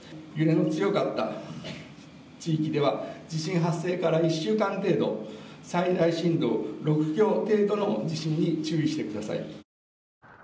揺れの強かった地域では地震発生から１週間程度、最大震度６強程度の地震に注意してください。